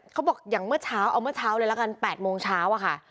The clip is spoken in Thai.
เขาบอกอย่างเมื่อเช้าเอาเมื่อเช้าเลยละกัน๘โมงเช้าอะค่ะ